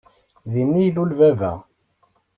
Din i ilul baba.